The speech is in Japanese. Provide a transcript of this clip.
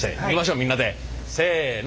みんなでせの。